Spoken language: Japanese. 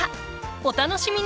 お楽しみに！